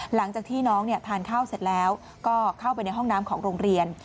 หลังจากที่น้องทานข้าวเสร็จแล้วก็เข้าไปในห้องน้ำของโรงเรียน